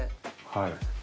はい。